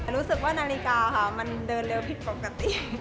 รู้สึกว่านาฬิกาค่ะมันเดินเร็วผิดปกติ